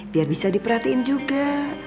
biar bisa diperhatiin juga